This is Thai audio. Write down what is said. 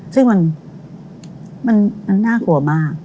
ซึ่งมันน่ากลัวมาก